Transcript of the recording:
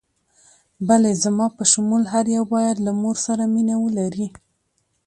بلې، زما په شمول هر یو باید له مور سره مینه ولري.